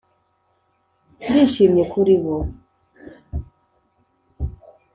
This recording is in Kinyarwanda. ndishimye kuri bo